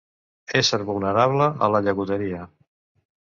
Ésser vulnerable a la llagoteria.